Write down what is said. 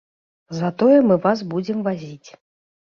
Затое мы вас будзем вазіць.